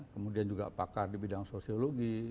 kemudian juga pakar di bidang sosiologi